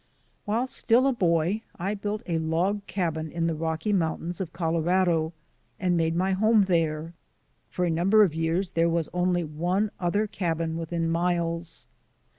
While still a boy I built a log cabin in the Rocky Mountains of Colorado and made my home there. For a number of years there was only one other cabin within miles.